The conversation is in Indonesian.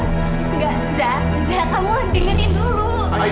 tidak zah zah kamu harus ingatkan dulu